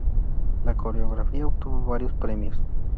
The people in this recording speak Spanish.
La coreografía obtuvo varios premios.